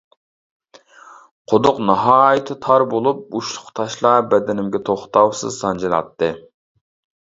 قۇدۇق ناھايىتى تار بولۇپ، ئۇچلۇق تاشلار بەدىنىمگە توختاۋسىز سانجىلاتتى.